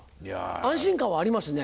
安心感はありますね。